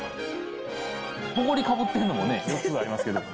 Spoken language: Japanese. ほこりかぶってるのもね、よくありますけど。